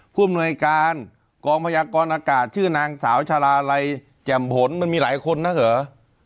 ผู้อำนวยการกองพยากรอากาศชื่อนางสาวชาลาลัยแจ่มผลมันมีหลายคนนะเหรอ